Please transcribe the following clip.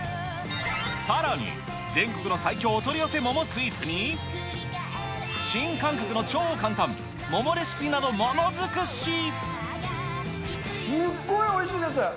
さらに、全国の最強お取り寄せ桃スイーツに、新感覚の超簡単、桃レシピなど、すっごいおいしいです。